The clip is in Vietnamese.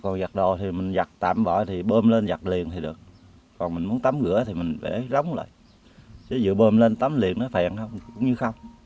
còn giặt đồ thì mình giặt tạm bỏ thì bơm lên giặt liền thì được còn mình muốn tắm rửa thì mình vẽ rống lại chứ dựa bơm lên tắm liền nó phèn không cũng như không